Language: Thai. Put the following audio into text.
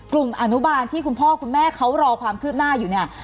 อนุบาลที่คุณพ่อคุณแม่เขารอความคืบหน้าอยู่เนี่ย